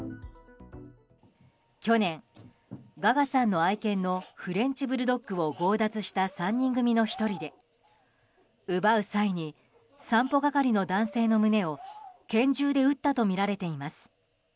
去年、ガガさんの愛犬のフレンチ・ブルドッグを強奪した３人組の１人で奪う際に散歩係の男性の胸を拳銃で撃ったとみられています。